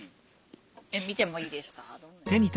見てもいいですか？